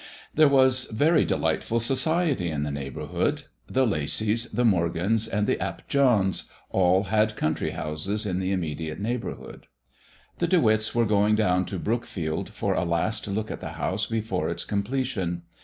There was very delightful society in the neighborhood: the Laceys, the Morgans and the Ap Johns all had country houses in the immediate neighborhood. The De Witts were going down to Brookfield for a last look at the house before its completion.